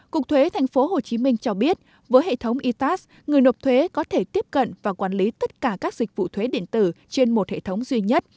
cục thuế tp hcm cho biết với hệ thống itas người nộp thuế có thể tiếp cận và quản lý tất cả các dịch vụ thuế điện tử trên một hệ thống duy nhất